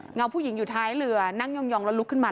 เงาผู้หญิงอยู่ท้ายเรือนั่งยองแล้วลุกขึ้นมา